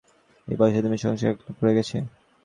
এই বয়সে তুমি সংসারে একলা পড়িয়া গেছ।